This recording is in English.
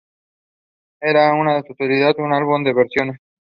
The owner has stated his intention to repair and reopen the store.